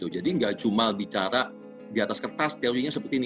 jadi nggak cuma bicara di atas kertas teorinya seperti ini